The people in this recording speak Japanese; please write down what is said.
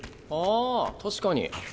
ああ確かに。